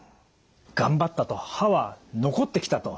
頑張ったと歯は残ってきたと。